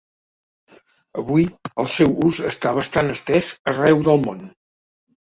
Avui, el seu ús està bastant estès arreu del món.